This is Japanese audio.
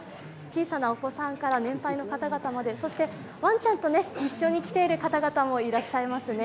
小さなお子さんから年配の方々まで、そしてワンちゃんと一緒に来ている方々もいらっしゃいますね。